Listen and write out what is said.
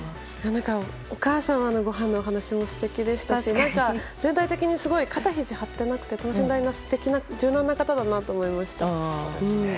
お母様のごはんの話も素敵でしたし全体的に肩ひじ張っていなくて等身大の柔軟な方だなと思いました。